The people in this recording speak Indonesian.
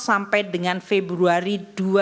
sampai dengan februari dua ribu dua puluh